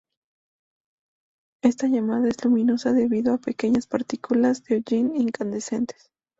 Esta llama es luminosa debido a pequeñas partículas de hollín incandescentes.